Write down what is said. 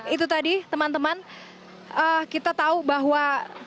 itu tadi teman teman kita tahu bahwa